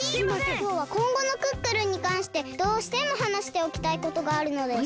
きょうはこんごのクックルンにかんしてどうしてもはなしておきたいことがあるのです。